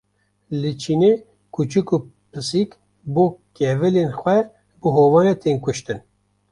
Li Çînê kûçik û pisîk, bo kevilên xwe bi hovane tên kuştin